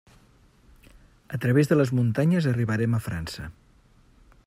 A través de les muntanyes arribarem a França.